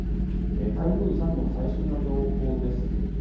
台風３号の最新の情報です。